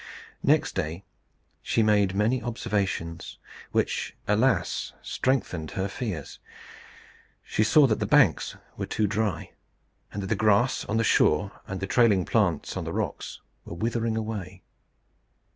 Next day she made many observations, which, alas! strengthened her fears. She saw that the banks were too dry; and that the grass on the shore, and the trailing plants on the rocks, were withering away.